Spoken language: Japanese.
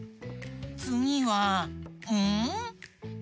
つぎは「ん」？